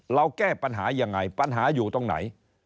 แก้ปัญหายังไงปัญหาอยู่ตรงไหน